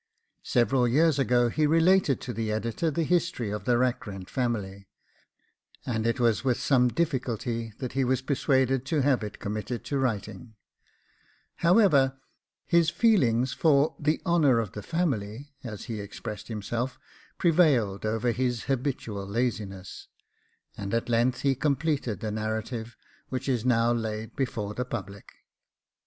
Several years ago he related to the editor the history of the Rackrent family, and it was with some difficulty that he was persuaded to have it committed to writing; however, his feelings for 'THE HONOUR OF THE FAMILY,' as he expressed himself, prevailed over his habitual laziness, and he at length completed the narrative which is now laid before the public.